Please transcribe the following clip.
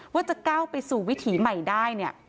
ว่าจะก้าวไปสู่วิถีใหม่ได้เนี่ย